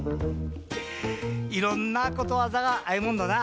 いろんなことわざがあいもんだな。